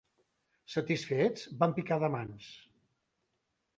Satisfets, van picar de mans.